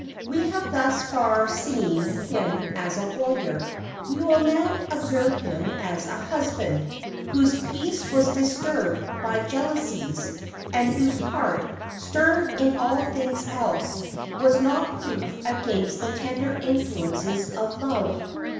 We have thus far seen him as a warrior. We will now observe him as a husband, whose peace was disturbed by jealousies, and whose heart, stern in all things else, was not proof against the tender influences of love.